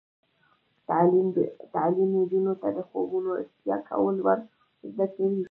تعلیم نجونو ته د خوبونو رښتیا کول ور زده کوي.